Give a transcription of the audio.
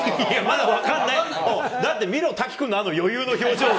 だって見ろ、滝君のあの余裕の表情を。